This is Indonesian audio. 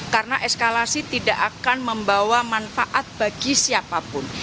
karena eskalasi tidak akan membawa manfaat bagi siapapun